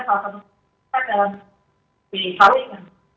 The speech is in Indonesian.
salah satu persen dalam pilih hal ini